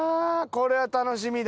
これは楽しみだ。